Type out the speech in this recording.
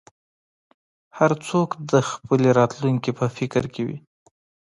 هر څوک د خپلې راتلونکې په فکر کې وي.